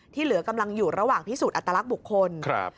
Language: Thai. เหลือกำลังอยู่ระหว่างพิสูจนอัตลักษณ์บุคคลครับ